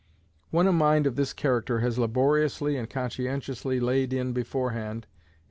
When a mind of this character has laboriously and conscientiously laid in beforehand, as M.